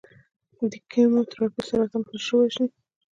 د کیموتراپي سرطان حجرو وژني.